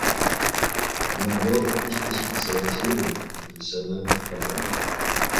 Набор узкоспециализированных профессиональных программ